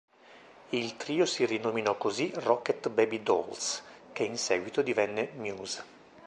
Il trio si rinominò così Rocket Baby Dolls, che in seguito divenne Muse.